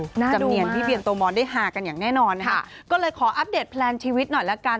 จำเนียนพี่เบียนโตมอนได้ฮากันอย่างแน่นอนนะคะก็เลยขออัปเดตแพลนชีวิตหน่อยละกัน